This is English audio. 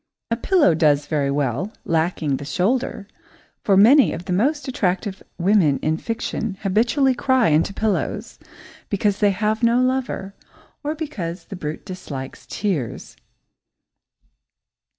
A pillow does very well, lacking the shoulder, for many of the most attractive women in fiction habitually cry into pillows because they have no lover, or because the brute dislikes tears.